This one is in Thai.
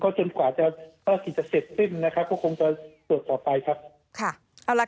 ก็จนกว่าที่จะเสร็จขึ้นก็คงจะตรวจต่อไปครับ